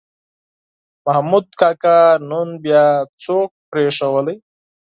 محمود کاکا نن بیا څوک پرېښود.